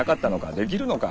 できるのか？